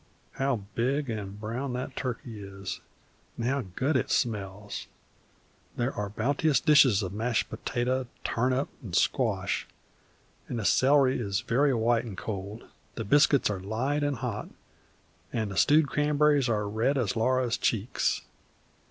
How big an' brown the turkey is, and how good it smells! There are bounteous dishes of mashed potato, turnip, an' squash, and the celery is very white and cold, the biscuits are light an' hot, and the stewed cranberries are red as Laura's cheeks.